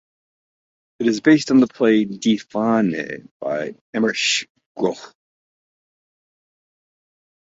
It is based on the play "Die Fahne" by Emmerich Groh.